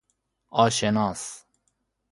آشناس